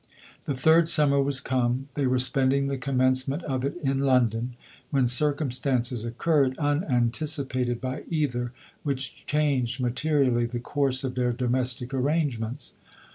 The third summer was come. They were spending the commencement of it in London, when circumstances occurred, unanticipated by either, which changed materi ally the course of their domestic arrangements.